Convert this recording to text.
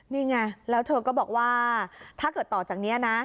นี่ไงแล้วเธอก็บอกว่าถ้าเกิดต่อจากนี้นะ